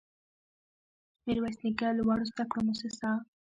ميرويس نيکه لوړو زده کړو مؤسسه